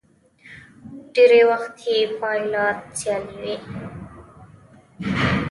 ډېری وخت يې پايله سیالي وي.